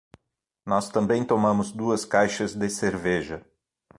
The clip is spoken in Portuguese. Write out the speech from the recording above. Nós também tomamos duas caixas de cerveja.